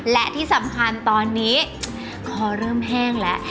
และที่สำคัญตอนนี้คอเริ่มแห้งแล้ว